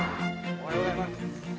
おはようございます